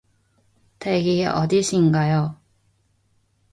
댁이 어디신가요